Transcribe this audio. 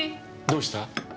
どうした？